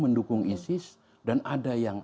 mendukung isis dan ada yang